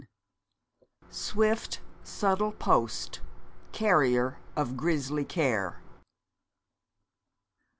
'SWIFT SUBTLE POST, CARRIER OF GRISLY CARE.'